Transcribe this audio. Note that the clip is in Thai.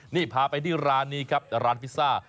นี่พาไปที่ร้านนี้ครับร้านพิซซ่า